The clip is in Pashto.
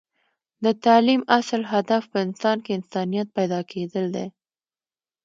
د تعلیم اصل هدف په انسان کې انسانیت پیدا کیدل دی